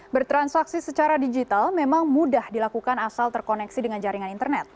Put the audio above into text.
bertransaksi secara digital memang mudah dilakukan asal terkoneksi dengan jaringan internet